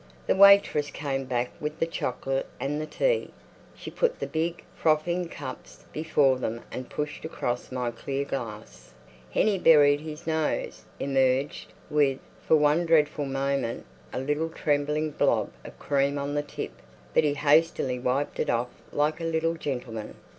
The waitress came back with the chocolate and the tea. She put the big, frothing cups before them and pushed across my clear glass. Hennie buried his nose, emerged, with, for one dreadful moment, a little trembling blob of cream on the tip. But he hastily wiped it off like a little gentleman.